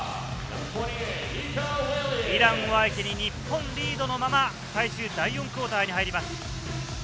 イランを相手に日本リードのまま、最終第４クオーターに入ります。